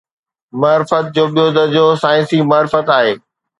معرفت جو ٻيو درجو ”سائنسي معرفت“ آهي.